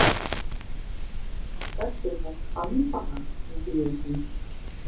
Сэ сигъэтхъэну пӏэрэ мыбы езым?